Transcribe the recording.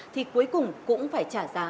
thì cuối cùng cũng phải trả giá